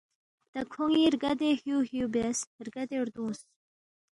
تا کھون٘ی رگدے ہِیُوہِیُو بیاس، رگدے ردُونگس